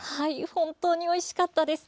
本当においしかったです。